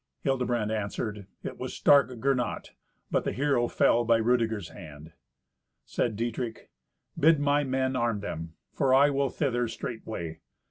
Hildebrand answered, "It was stark Gernot, but the hero fell by Rudeger's hand." Said Dietrich, "Bid my men arm them, for I will thither straightway.